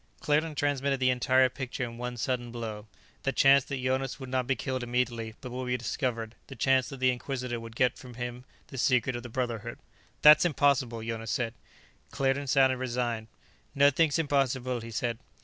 Claerten transmitted the entire picture in one sudden blow: the chance that Jonas would not be killed immediately, but would be discovered; the chance that the Inquisitor would get from him the secret of the Brotherhood "That's impossible," Jonas said. Claerten sounded resigned. "Nothing's impossible," he said.